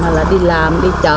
hay là đi làm đi chợ